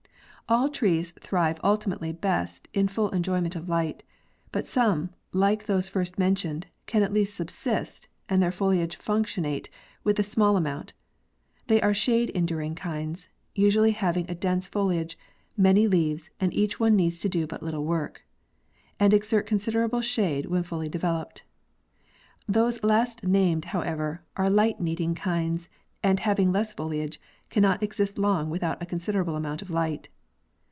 All trees thrive ultimately best in full enjoyment of light. But some, like those first mentioned, can at least subsist and their — foliage functionate with a small amount—they are shade endur ing kinds, usually having a dense foliage, many leaves, and each one needs to do but little work—and exert considerable shade when fully developed. Those last named, however, are light needing kinds, and having less foliage, cannot exist long without a considerable amount of light.